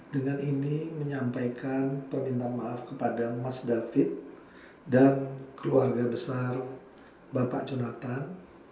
dengan ini menyampaikan permintaan maaf kepada mas david dan keluarga besar bapak jonathan